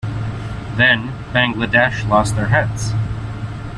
Then, Bangladesh lost their heads.